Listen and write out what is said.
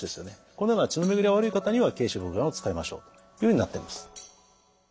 このような血の巡りが悪い方には桂枝茯苓丸を使いましょうというふうになっています。